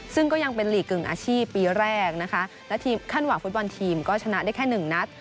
ซึ่งก็ยังเป็นหลีกกึ่งอาชีพปีแรกนะคะและทีมขั้นหวังฟุตบอลทีมก็ชนะได้แค่หนึ่งนัด